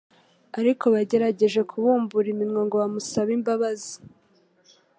ariko bagerageje kubumbura iminwa ngo bamusabe imbabazi,